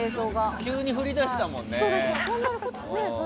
急に降り出したもんね。